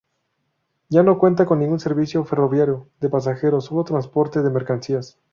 Ya no cuenta con ningún servicio ferroviario de pasajeros, sólo transporte de mercancías.